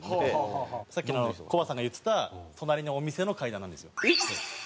さっきのコバさんが言ってた隣のお店の階段なんですよ。